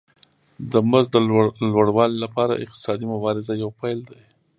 د مزد د لوړوالي لپاره اقتصادي مبارزه یو پیل دی